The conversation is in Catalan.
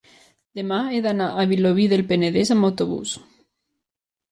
demà he d'anar a Vilobí del Penedès amb autobús.